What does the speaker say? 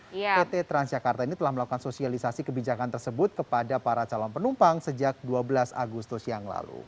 pt transjakarta ini telah melakukan sosialisasi kebijakan tersebut kepada para calon penumpang sejak dua belas agustus yang lalu